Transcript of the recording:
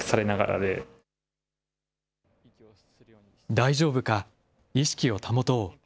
大丈夫か、意識を保とう。